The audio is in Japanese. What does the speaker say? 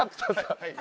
はい。